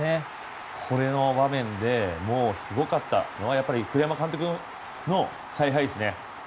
この場面ですごかったのはやっぱり栗山監督の采配ですね。